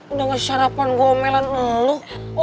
udah gak sarapan gue omelan sama lo